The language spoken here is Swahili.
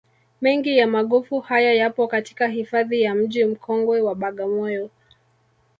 Mengi ya magofu haya yapo katika hifadhi ya mji mkongwe wa Bagamoyo